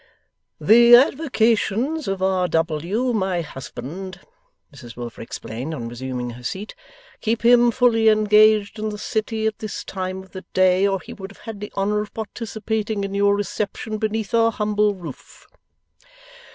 'The avocations of R. W., my husband,' Mrs Wilfer explained, on resuming her seat, 'keep him fully engaged in the City at this time of the day, or he would have had the honour of participating in your reception beneath our humble roof.